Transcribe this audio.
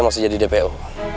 masih jadi dpo